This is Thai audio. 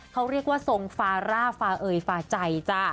เขาเรียกว่าทรงฟาร่าฟาเอยฟาใจจ้ะ